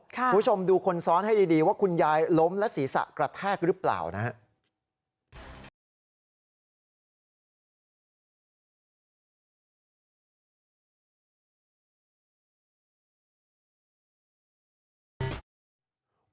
คุณผู้ชมดูคนซ้อนให้ดีว่าคุณยายล้มและศีรษะกระแทกหรือเปล่านะครับ